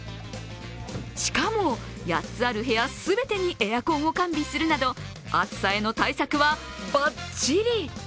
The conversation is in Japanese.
しかも、８つある部屋全てにエアコンを完備するなど暑さへの対策はばっちり！